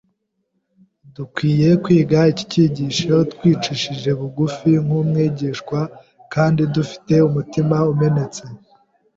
Dukwiriye kwiga iki cyigisho twicishije bugufi nk’umwigishwa kandi dufite umutima umenetse.